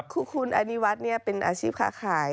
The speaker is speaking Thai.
คือคุณอนิวัฒน์เป็นอาชีพค้าขาย